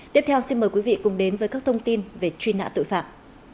tiếp theo xin mời quý vị cùng đến với các thông tin về truy nã tội phạm